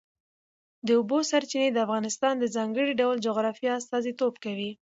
د اوبو سرچینې د افغانستان د ځانګړي ډول جغرافیه استازیتوب کوي.